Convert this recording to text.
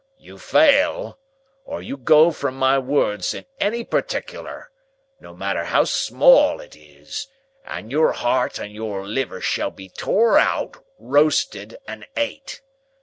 You fail, or you go from my words in any partickler, no matter how small it is, and your heart and your liver shall be tore out, roasted, and ate.